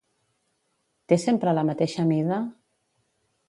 Té sempre la mateixa mida?